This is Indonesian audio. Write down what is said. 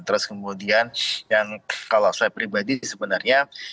terus kemudian yang kalau saya pribadi sebenarnya